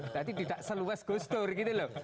berarti tidak seluas gus dur gitu loh